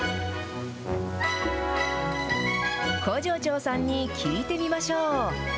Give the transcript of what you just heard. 工場長さんに聞いてみましょう。